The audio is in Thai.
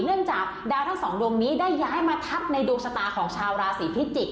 หลังจากดาวทั้งสองดวงมีการย้ายราศีพฤศจิกย์ได้ย้ายมาทับในดวงชะตาของชาวราศีพฤศจิกย์